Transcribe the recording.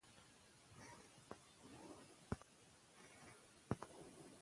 اقتصاد دوه اصلي څانګې لري: خرد او کلان.